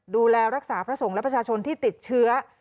ดูแลรักษาพระสงฆ์และประชาชนที่ติดเชื้อ